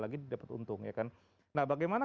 lagi dapat untung ya kan nah bagaimana